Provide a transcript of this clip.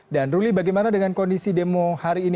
dan ruli bagaimana dengan kondisi demo hari ini